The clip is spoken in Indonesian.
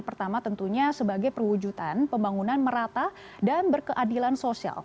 pertama tentunya sebagai perwujudan pembangunan merata dan berkeadilan sosial